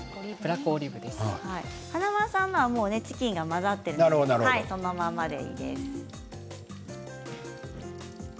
華丸さんのはもうチキンが混ざっているのでそのままでいいです。